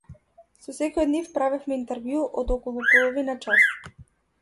Со секој од нив правевме интервју од околу половина час.